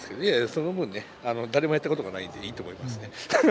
その分ね誰もやったことがないんでいいと思いますね。